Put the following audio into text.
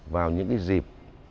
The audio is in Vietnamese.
vào những dịp